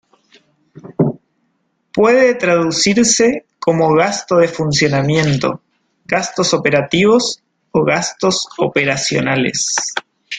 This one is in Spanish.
Puede traducirse como gasto de funcionamiento, gastos operativos, o gastos operacionales.